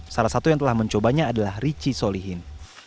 salah satu yang telah mencobanya adalah richi solihin